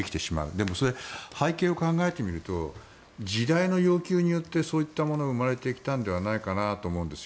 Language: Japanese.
でも、背景を考えてみると時代の要求によってそういったものが生まれてきたのではないかなと思うんですよ。